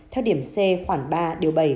theo điểm c khoảng ba điều bảy